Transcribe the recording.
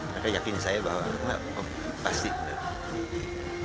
mereka yakin saya bahwa nggak pasti bener